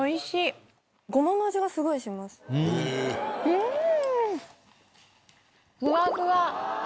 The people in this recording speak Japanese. うん！